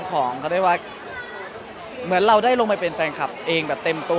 ของเขาเรียกว่าเหมือนเราได้ลงไปเป็นแฟนคลับเองแบบเต็มตัว